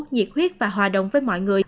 nhiệt huyết và hòa đồng với mọi người